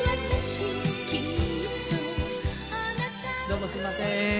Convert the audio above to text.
どうもすいません。